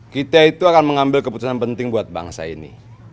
kita itu akan mengambil keputusan penting buat bangsa ini